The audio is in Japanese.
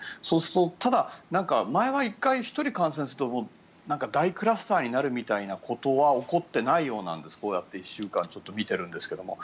そうするとただ、前は１回１人感染すると大クラスターになるみたいなことは起こっていないようなんですこうやって１週間ちょっと見ていますけど。